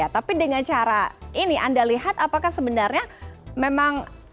tapi dengan cara ini anda lihat apakah sebenarnya memang